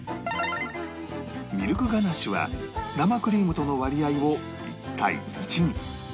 ミルクガナッシュは生クリームとの割合を１対１に